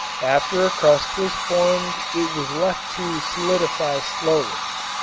After a crust was formed it was left to solidify slowly.